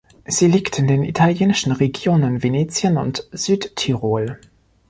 Sie liegt in den italienischen Regionen Venetien und Südtirol.